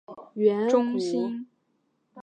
泰特斯维尔为布拉瓦县的行政中心。